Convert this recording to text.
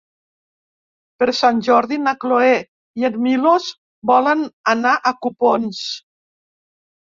Per Sant Jordi na Cloè i en Milos volen anar a Copons.